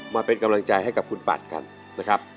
มาเป็นกำลังใจให้กับคุณปัดกันนะครับ